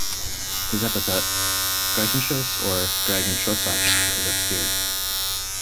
His epithet, "Gricenchos" or "Grigenchosach", is obscure.